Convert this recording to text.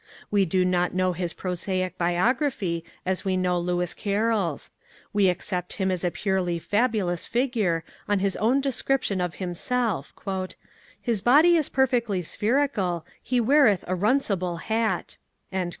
We do not know his prosaic biography as we know Lewis Carroll's. We accept him as a purely fabulous figure, on his own description of himself: " His body is perfectly spherical, He weareth a runcible hat."